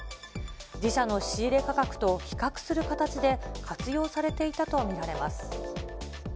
自社の仕入れ価格と比較する形で、活用されていたと見られます。